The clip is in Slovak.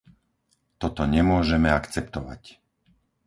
Toto nemôžeme akceptovať.